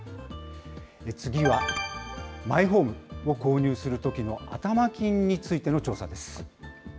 次は、マイホームを購入するときの頭金についての調査です。